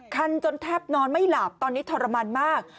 จนแทบนอนไม่หลับตอนนี้ทรมานมาก